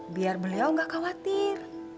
biar beliau gak khawatir